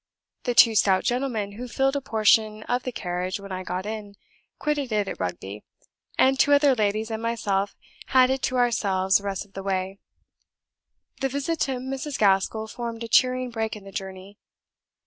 The two stout gentlemen, who filled a portion of the carriage when I got in, quitted it at Rugby, and two other ladies and myself had it to ourselves the rest of the way. The visit to Mrs. Gaskell formed a cheering break in the journey.